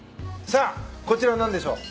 さあこちら何でしょう？